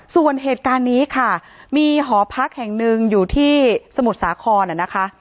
ส่วนเหตุการณ์นี้ค่ะมีหอพักแห่งหนึ่งอยู่ที่สมุทรสาครนะคะ